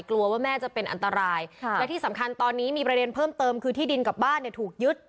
กลัวว่าแม่จะเป็นอันตรายค่ะและที่สำคัญตอนนี้มีประเด็นเพิ่มเติมคือที่ดินกับบ้านเนี่ยถูกยึด